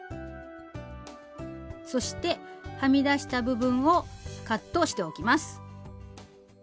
そしてはみ出した部分をカットしておきます。